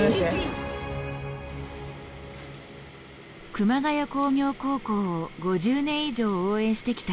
熊谷工業高校を５０年以上応援してきた